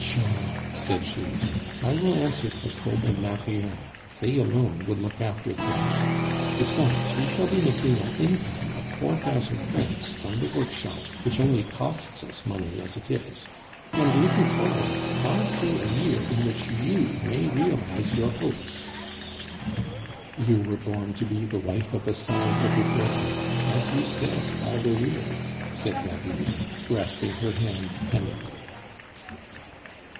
"Pshaw!" said she, "I will answer for Kolb and Marion; they alone would look after things. Besides, we shall be making an income of four thousand francs from the workshop, which only costs us money as it is; and looking forward, I see a year in which you may realize your hopes." "You were born to be the wife of a scientific worker, as you said by the weir," said David, grasping her hand tenderly.